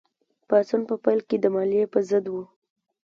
پاڅون په پیل کې د مالیې په ضد و.